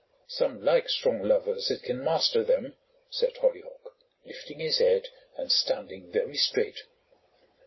"Some like strong lovers that can master them," said Hollyhock, lifting his head and standing very straight.